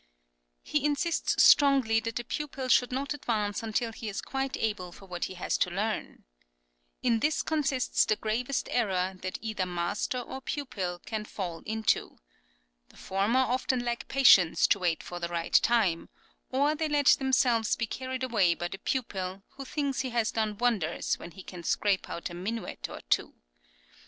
He insists strongly that the pupil should not advance until he is quite able for what he has to learn: "In this consists the gravest error that either master or pupil can fall into. The former often lack patience to wait for the right time; or they let themselves be carried away by the pupil, who thinks he has done wonders when he can scrape out a minuet or two.